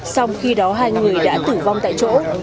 xong khi đó hai người đã tử vong tại chỗ